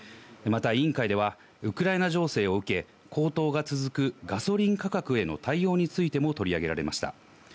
また委員会ではウクライナ情勢を受け高騰が続くガソリン価格への対応についても取り上げられました。